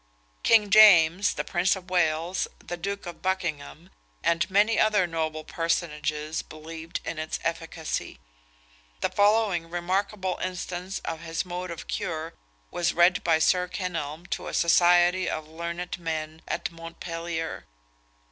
King James, the Prince of Wales, the Duke of Buchingham, and many other noble personages, believed in its efficacy. The following remarkable instance of his mode of cure was read by Sir Kenelm to a society of learned men at Montpellier.